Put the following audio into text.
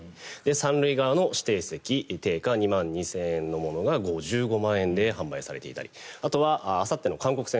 ３塁側の指定席定価２万２０００円のものが５５万円で販売されていたりあとはあさっての韓国戦